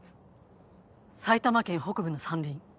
埼玉県北部の山林。